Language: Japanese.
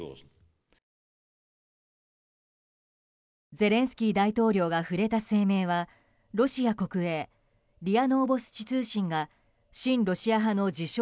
ゼレンスキー大統領が触れた声明はロシア国営リアノーボスチ通信が親ロシア派の自称